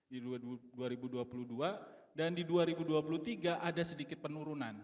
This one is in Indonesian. di dua ribu dua puluh dua dan di dua ribu dua puluh tiga ada sedikit penurunan